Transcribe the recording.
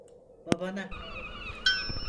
Babana…